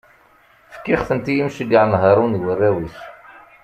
Fkiɣ-tent i yimceyyɛen Haṛun d warraw-is.